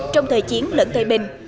trong thời chiến lẫn tây bình